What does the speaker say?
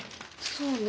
そうね。